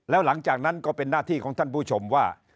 แล้วหลังจากนั้นก็เป็นหน้าที่ของท่านผู้ชมว่า